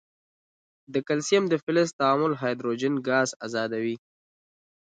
د کلسیم د فلز تعامل هایدروجن ګاز آزادوي.